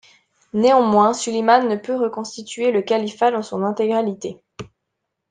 Néanmoins Sulayman ne peut reconstituer le califat dans son intégralité.